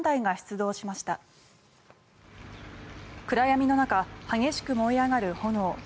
暗闇の中、激しく燃え上がる炎。